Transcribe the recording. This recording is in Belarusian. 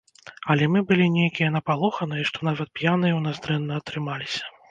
Але мы былі нейкія напалоханыя, што нават п'яныя ў нас дрэнна атрымаліся.